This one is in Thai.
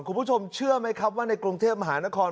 คุณผู้ชมเชื่อไหมครับว่าในกรุงเทพมหานคร